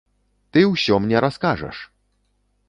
Ты ўсё мне раскажаш!